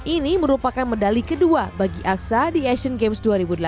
ini merupakan medali kedua bagi aksa di asian games dua ribu delapan belas